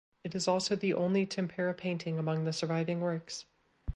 It is also the only tempera painting among the surviving works.